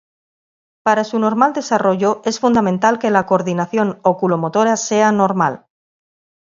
Para su normal desarrollo es fundamental que la coordinación óculo-motora sea normal.